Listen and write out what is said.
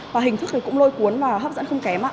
và hình thức cũng lôi cuốn và hấp dẫn không kém